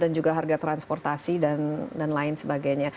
karena agar kita bisa melakukan transportasi dan lain sebagainya